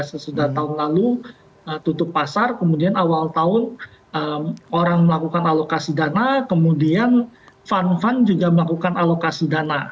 sesudah tahun lalu tutup pasar kemudian awal tahun orang melakukan alokasi dana kemudian fun fun juga melakukan alokasi dana